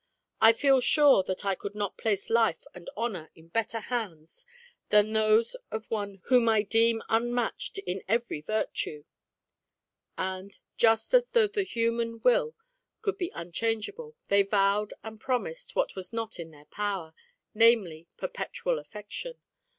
I feel sure that I could not place life and honour in better hands than those of one whom I deem unmatched in every virtue." And, just as though the human will could be unchangeable, they vowed and promised what was not in their power, namely, perpetual affec SECOND DAY: TALE XH. 191 tion.